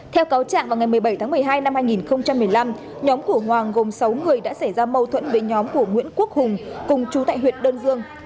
theo cáo trạng vào ngày một mươi bảy tháng một mươi hai năm hai nghìn một mươi năm nhóm của hoàng gồm sáu người đã xảy ra mâu thuẫn với nhóm của nguyễn quốc hùng cùng chú tại huyện đơn dương